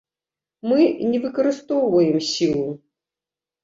Мы не выкарыстоўваем сілу.